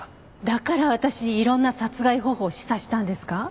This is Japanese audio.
だから私にいろんな殺害方法を示唆したんですか？